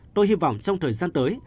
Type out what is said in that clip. tôi hy vọng trong thời gian tới